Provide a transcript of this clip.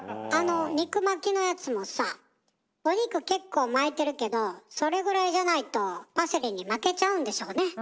あの肉巻きのやつもさお肉結構巻いてるけどそれぐらいじゃないとパセリに負けちゃうんでしょうね。